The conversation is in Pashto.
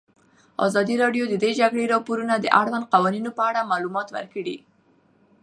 ازادي راډیو د د جګړې راپورونه د اړونده قوانینو په اړه معلومات ورکړي.